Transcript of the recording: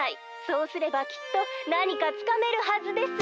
そうすればきっとなにかつかめるはずです！」。